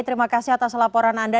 terima kasih atas laporan anda